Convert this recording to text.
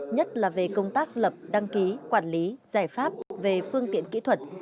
nhất là về công tác lập đăng ký quản lý giải pháp về phương tiện kỹ thuật